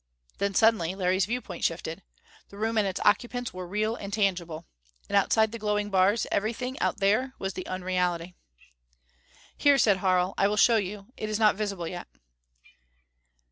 Then, suddenly, Larry's viewpoint shifted. The room and its occupants were real and tangible. And outside the glowing bars everything out there was the unreality. "Here," said Harl. "I will show you. It is not visible yet."